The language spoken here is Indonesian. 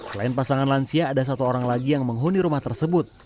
selain pasangan lansia ada satu orang lagi yang menghuni rumah tersebut